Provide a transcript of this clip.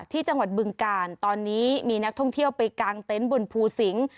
ที่จังหวัดบึงกาลตอนนี้มีนักท่องเที่ยวไปกางเต็นต์บนภูสิงศ์